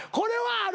ある！